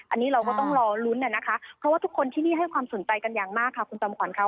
อันนี้เราก็ต้องรอลุ้นนะคะเพราะว่าทุกคนที่นี่ให้ความสนใจกันอย่างมากค่ะคุณจำขวัญค่ะ